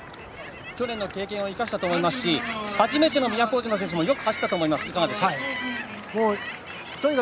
去年の経験を生かしたと思いますし初めての都大路の選手もよく走ったと思いますがいかがでしょうか？